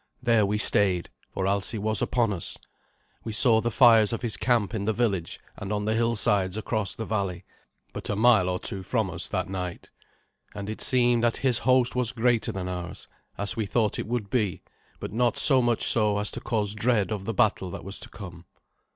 There we stayed, for Alsi was upon us. We saw the fires of his camp in the village and on the hillsides across the valley, but a mile or two from us that night; and it seemed that his host was greater than ours, as we thought it would be, but not so much so as to cause dread of the battle that was to come.